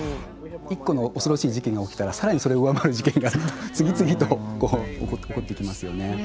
１個の恐ろしい事件が起きたら更にそれを上回る事件が次々と起こってきますよね。